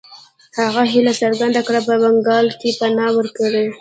هغه هیله څرګنده کړه په بنګال کې پناه ورکړي.